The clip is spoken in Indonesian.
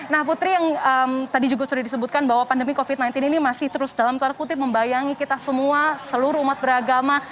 nah putri yang tadi juga sudah disebutkan bahwa pandemi covid sembilan belas ini masih terus dalam tanda kutip membayangi kita semua seluruh umat beragama